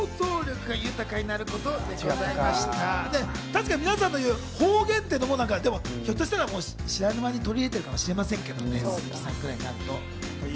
確かに皆さんが言う、方言というのも、ひょっとしたら知らぬ間に取り入れてるかもしれませんけどね。